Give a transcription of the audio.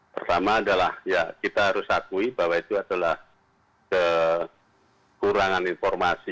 pertama adalah ya kita harus akui bahwa itu adalah kekurangan informasi